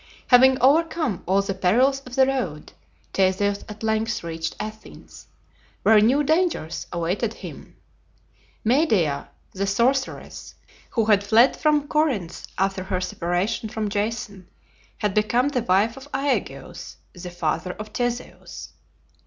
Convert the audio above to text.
Having overcome all the perils of the road, Theseus at length reached Athens, where new dangers awaited him. Medea, the sorceress, who had fled from Corinth after her separation from Jason, had become the wife of Aegeus, the father of Theseus.